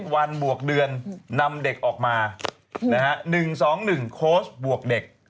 วันบวกเดือนนำเด็กออกมานะฮะหนึ่งสองหนึ่งโค้ชบวกเด็ก